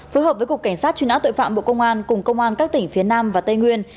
phối hợp với cục cảnh sát truy nã tội phạm bộ công an cùng công an các tỉnh phía nam và tây nguyên